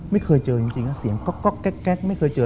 ไม่เคยเจอจริงนะเสียงก๊อกแก๊กไม่เคยเจอ